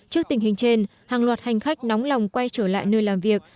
trước tình hình trên hàng loạt hành khách nóng lòng quay trở lại nơi làm việc